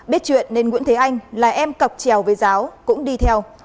biết chuyện nên nguyễn thế anh là em cọc trèo với giáo cũng đi theo